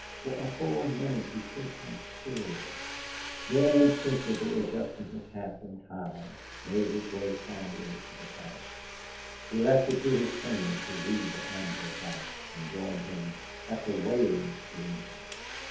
For a full minute he stood quite still; then, instinctively adjusting hat and tie, made his way calmly to the Paddock. He left it to his trainer to lead the Ambler back, and joined him at the weighing room.